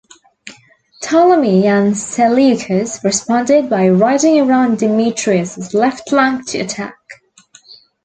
Ptolemy and Seleucus responded by riding around Demetrius's left flank to attack.